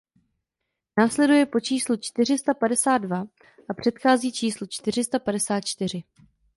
Následuje po číslu čtyři sta padesát dva a předchází číslu čtyři sta padesát čtyři.